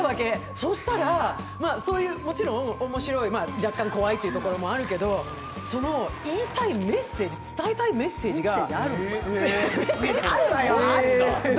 そしたら、もちろん面白い、若干怖いというところもあるけれどもその言いたいメッセージ、伝えたいメッセージがメッセージ、あるのよ、あるの。